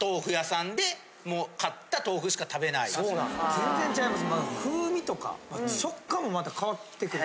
全然ちゃいます。